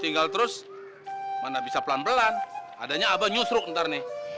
tinggal terus mana bisa pelan pelan adanya abah nyusruk ntar nih